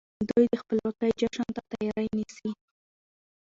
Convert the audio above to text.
دوی د خپلواکۍ جشن ته تياری نيسي.